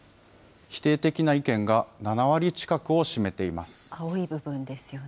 否定的な意見が７割近くを占めています。